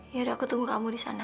biar aku tunggu kamu di sana